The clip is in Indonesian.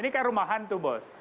ini kan rumah hantu bos